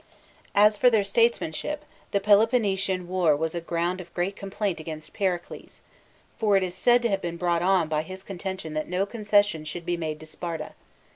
III. As for their statesmanship, the Peloponnesian war was a ground of great complaint against Pericles, For it is said to have been brought on by his con tention that no concession should be made to Sparta.